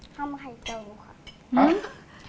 ทำไข่เจียวค่ะ